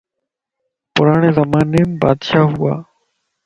پراڙي زماني مَ بادشاهه ھُوا